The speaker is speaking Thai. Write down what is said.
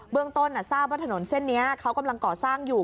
เบื้องต้นน่ะทะนด์เส้นนี้เขากำลังก่อสร้างอยู่